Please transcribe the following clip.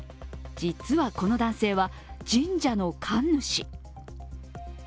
実は、この男性は神社の神主。